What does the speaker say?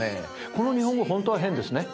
この日本語ホントは変ですね。